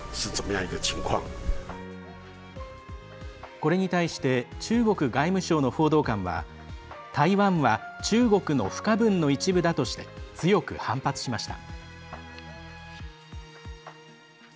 これに対して中国外務省の報道官は台湾は中国の不可分の一部だとして強く反発しました。